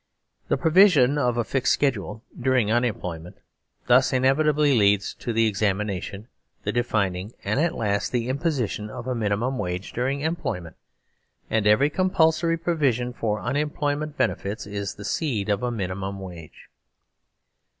The provision of a fixed schedule during unem ployment thus inevitably leads to the examination, the defining, and at last the imposition of a minimum wage during employment; and every compulsory provision for unemployed benefits is the seed of a minimum wage.